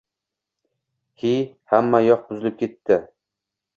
He, hammayoq buzilib ketdi!